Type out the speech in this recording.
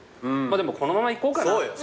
でもこのままいこうかな。